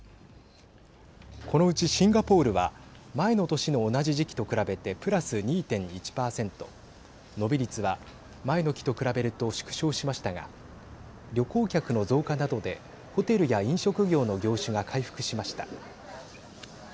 このうちシンガポールは前の年の同じ時期と比べてプラス２．１％伸び率は前の期と比べると縮小しましたが旅行客の増加などでホテルや飲食業の業種が回復しました。